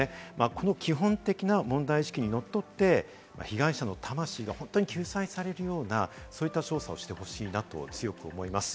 この基本的な問題意識に則って、被害者の魂が本当に救済されるようなそういった調査をしてほしいなと強く思います。